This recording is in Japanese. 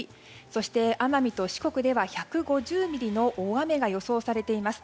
そして、奄美と四国では１５０ミリの大雨が予想されています。